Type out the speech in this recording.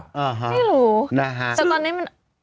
อยู่หรือไม่รู้แต่ตอนนี้มัน